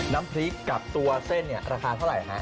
น้ำพริกกับตัวเส้นเนี่ยราคาเท่าไหร่ฮะ